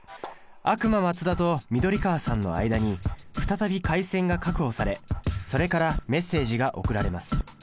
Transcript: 悪魔マツダと緑川さんの間に再び回線が確保されそれからメッセージが送られます。